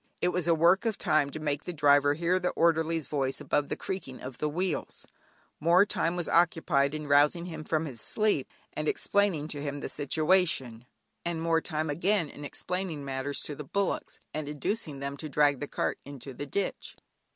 It was a work of time to make the driver hear the orderly's voice, above the creaking of the wheels; more time was occupied in rousing him from his sleep, and explaining to him the situation; and more time again in explaining matters to the bullocks, and inducing them to drag the cart into the ditch.